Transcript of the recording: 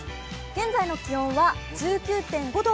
現在の気温は１９．５度。